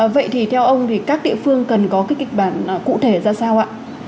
vậy thì theo ông các địa phương cần có kịch bản cụ thể ra sao ạ